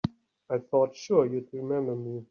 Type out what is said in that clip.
I thought sure you'd remember me.